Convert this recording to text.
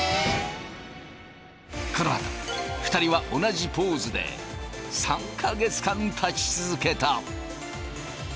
このあと２人は同じポーズで３か月間立ち続けた。